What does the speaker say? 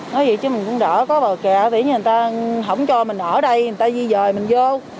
nói gì chứ mình cũng đỡ có bờ kè để người ta không cho mình ở đây người ta di dời mình vô